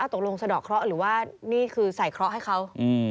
ตกลงสะดอกเคราะห์หรือว่านี่คือใส่เคราะห์ให้เขา